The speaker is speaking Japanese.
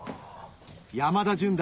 山田純大